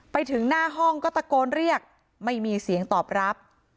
ไปถึงหน้าห้องก็ตะโกนเรียกไม่มีเสียงตอบรับ